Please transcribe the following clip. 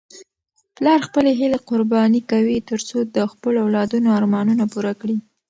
پلار خپلې هیلې قرباني کوي ترڅو د خپلو اولادونو ارمانونه پوره کړي.